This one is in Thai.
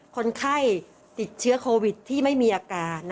คนไข้ติดเชื้อโควิดที่ไม่มีอาการ